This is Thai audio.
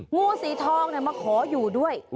งูสีทองมาขออยู่ด้วย